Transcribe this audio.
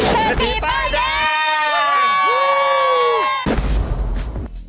เศรษฐีป้ายแดง